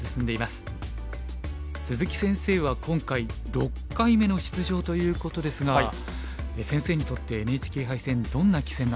鈴木先生は今回６回目の出場ということですが先生にとってＮＨＫ杯戦どんな棋戦なんでしょうか。